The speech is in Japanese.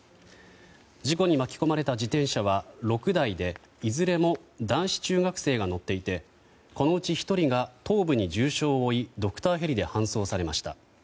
事故に巻き込まれた自転車は６台でいずれも男子中学生が乗っていてこのうち１人が頭部に重傷を負いドクターヘリで搬送されました。